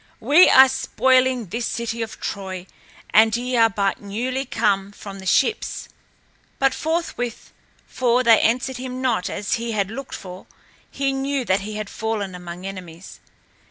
We are spoiling this city of Troy and ye are but newly come from the ships." But forthwith, for they answered him not as he had looked for, he knew that he had fallen among enemies.